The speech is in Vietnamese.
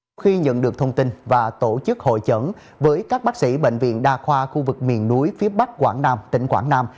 sau khi nhận được thông tin và tổ chức hội chẩn với các bác sĩ bệnh viện đa khoa khu vực miền núi phía bắc quảng nam tỉnh quảng nam